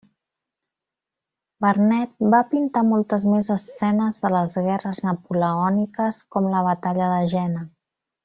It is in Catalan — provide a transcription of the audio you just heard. Vernet va pintar moltes més escenes de les Guerres Napoleòniques, com la Batalla de Jena.